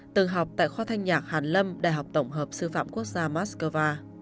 từng học tại kho thanh nhạc hàn lâm đại học tổng hợp sư phạm quốc gia moscow